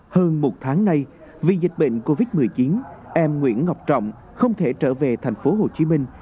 hơn một tháng nay vì dịch bệnh covid một mươi chín em nguyễn ngọc trọng không thể trở về thành phố hồ chí minh